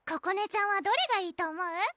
ちゃんはどれがいいと思う？